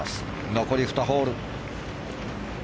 残り２ホール。